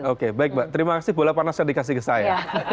oke baik mbak terima kasih bola panasnya dikasih ke saya